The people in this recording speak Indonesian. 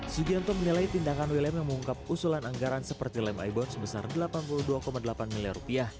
sugianto menilai tindakan william yang mengungkap usulan anggaran seperti lem ibon sebesar rp delapan puluh dua delapan miliar